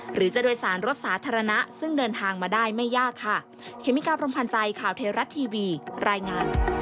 หรือจะโดยสารรถสาธารณะซึ่งเดินทางมาได้ไม่ยากค่ะ